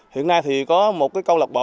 hiện nay thì có một câu lạc bộ